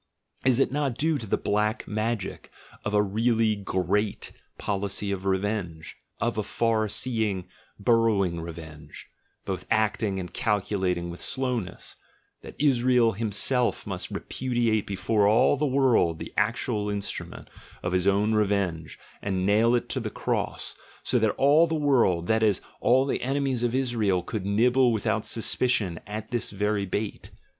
Is it not due to the black magic of a really great policy of revenge, of a far seeing, bur rowing revenge, both acting and calculating with slow ness, that Israel himself must repudiate before all the world the actual instrument of his own revenge and nail it to the cross, so that all the world — that is, all the ene mies of Israel — could nibble without suspicion at this very bait?